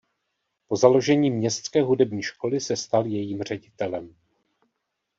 Po založení "Městské hudební školy" se stal jejím ředitelem.